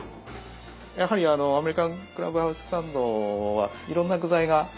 やはりあのアメリカンクラブハウスサンドはいろんな具材が入ります。